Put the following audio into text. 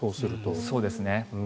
そうですね。